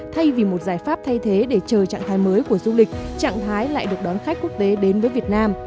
thay vì một giải pháp thay thế để chờ trạng thái mới của du lịch trạng thái lại được đón khách quốc tế đến với việt nam